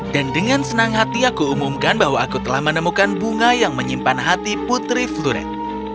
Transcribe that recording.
dan dengan senang hati aku umumkan bahwa aku telah menemukan bunga yang menyimpan hati putri floret